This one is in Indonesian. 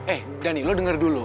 eh dany lo denger dulu